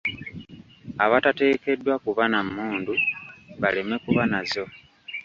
Abatateekeddwa kuba na mmundu baleme kuba nazo.